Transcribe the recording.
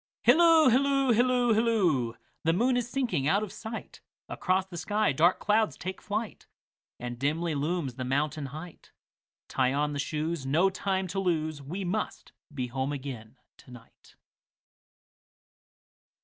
Hilloo, hilloo, hilloo, hilloo! The moon is sinking out of sight, Across the sky dark clouds take flight, And dimly looms the mountain height; Tie on the shoes, no time to lose, We must be home again to night.